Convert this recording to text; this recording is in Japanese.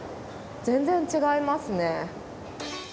全然、違いますね。